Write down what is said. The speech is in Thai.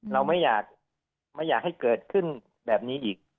เราไม่อยากให้เกิดขึ้นแบบนี้อีก